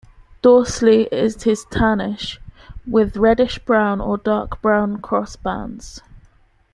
Dorsally it is tannish with reddish-brown or dark brown crossbands.